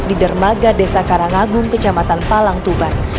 di dermaga desa karangagung kecamatan palang tuban